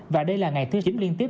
và đây là ngày thứ chín liên tiếp